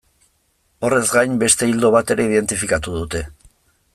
Horrez gain, beste ildo bat ere identifikatu dute.